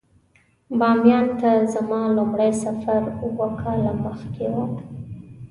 بامیان ته زما لومړی سفر اووه کاله مخکې و.